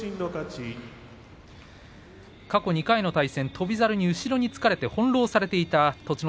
過去２回の対戦、翔猿に後ろにつかれて翻弄されていた栃ノ